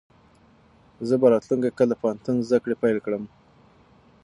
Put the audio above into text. زه به راتلونکی کال د پوهنتون زده کړې پیل کړم.